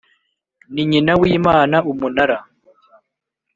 Ni nyina w imana umunara